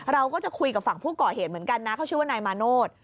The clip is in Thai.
เราก็จะคุยกับฝั่งผู้ก่อเหตุเหมือนกันนะเขาชื่อว่านายมาโนธ